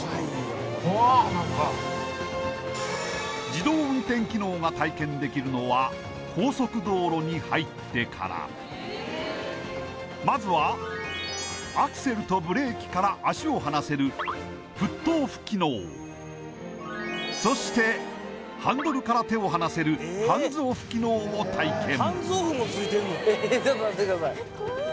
自動運転機能が体験できるのは高速道路に入ってからまずはアクセルとブレーキから足を離せるそしてハンドルから手を離せるを体験